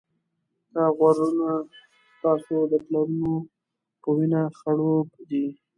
دا غرونه ستاسې د پلرونو په وینه خړوب دي.